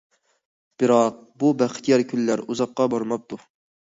بىراق بۇ بەختىيار كۈنلەر ئۇزاققا بارماپتۇ.